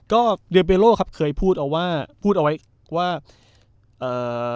ก็เดเบโลครับเคยพูดเอาว่าพูดเอาไว้ว่าเอ่อ